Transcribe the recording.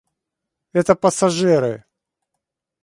Это пассажиры.